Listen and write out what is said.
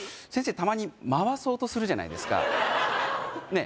たまに回そうとするじゃないですかねえ